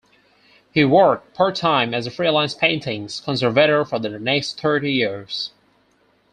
He worked part-time as a freelance paintings conservator for the next thirty years.